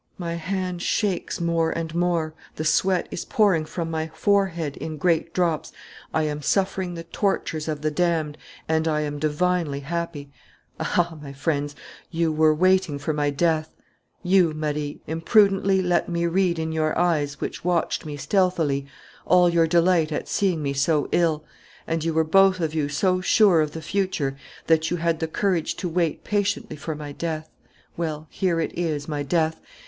My hand shakes more and more. The sweat is pouring from my forehead in great drops. I am suffering the tortures of the damned and I am divinely happy! Aha, my friends, you were waiting for my death! "You, Marie, imprudently let me read in your eyes, which watched me stealthily, all your delight at seeing me so ill! And you were both of you so sure of the future that you had the courage to wait patiently for my death! Well, here it is, my death!